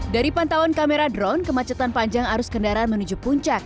dari pantauan kamera drone kemacetan panjang arus kendaraan menuju puncak